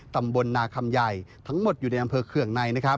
ตำบลนาคำใหญ่ทั้งหมดอยู่ในอำเภอเคืองใน